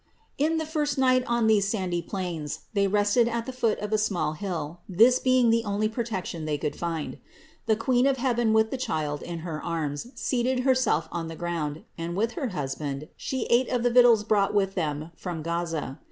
In the first night on these sandy plains they rested at the foot of a small hill, this being the only protection they could find. The Queen of heaven with the Child in her arms seated Herself on the earth, and with her husband She ate of the victuals brought with them from Gaza.